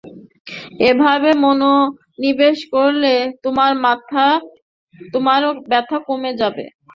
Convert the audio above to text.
এভাবে মনোনিবেশ করলে তোমার ব্যাথা কমে যাবে।